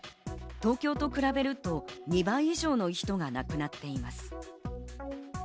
東京と比べると２倍以上の人が亡くなっています。